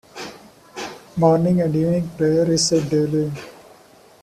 Morning and Evening prayer is said daily.